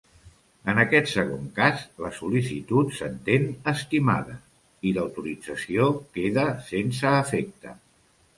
En aquest segon cas la sol·licitud s'entén estimada i l'autorització queda sense efecte.